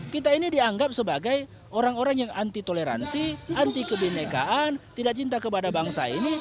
kita ini dianggap sebagai orang orang yang anti toleransi anti kebinekaan tidak cinta kepada bangsa ini